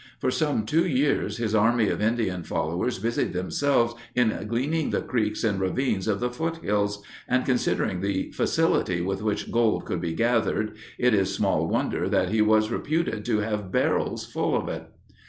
For some two years his army of Indian followers busied themselves in gleaning the creeks and ravines of the foothills, and considering the facility with which gold could be gathered it is small wonder that he was reputed to have barrels full of it.